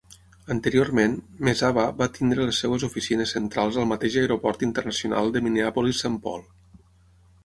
Anteriorment, Mesaba va tenir les seves oficines centrals al mateix aeroport internacional de Minneapolis-Saint Paul.